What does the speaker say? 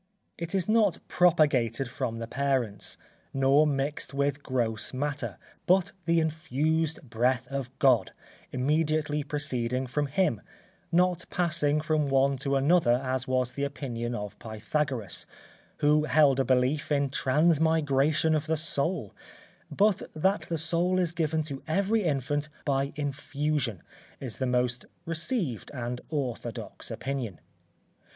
It is not propagated from the parents, nor mixed with gross matter, but the infused breath of God, immediately proceeding from Him; not passing from one to another as was the opinion of Pythagoras, who held a belief in transmigration of the soul; but that the soul is given to every infant by infusion, is the most received and orthodox opinion.